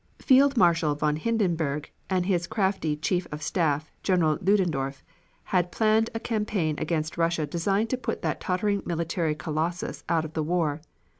Field Marshal von Hindenburg and his crafty Chief of Staff, General Ludendorf, had planned a campaign against Russia designed to put that tottering military Colossus out of the war.